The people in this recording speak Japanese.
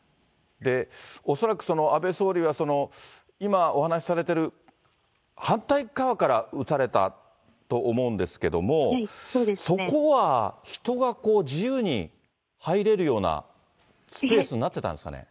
恐らく安倍総理は今お話されてる反対っ側から撃たれたと思うんですけども、そこは人が自由に入れるようなスペースになってたんですかね？